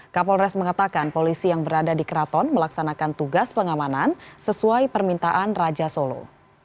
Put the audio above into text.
kapolres mengatakan polisi yang berada di keraton melaksanakan tugas pengamanan sesuai permintaan raja solo